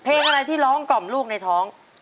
เพลงอะไรที่ร้องกล่อมลูกในท้อง